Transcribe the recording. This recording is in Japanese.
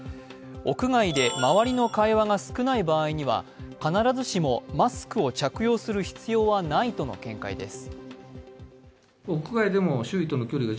屋外で周りの会話が少ない場合には必ずしもマスクを着用する必要はないとの見解です。